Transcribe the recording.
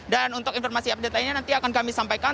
dan untuk informasi update lainnya nanti akan kami sampaikan